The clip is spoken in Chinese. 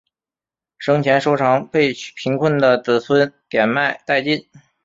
生前收藏被贫困的子孙典卖殆尽。